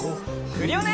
クリオネ！